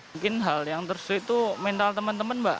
mungkin hal yang tersebut itu mental teman teman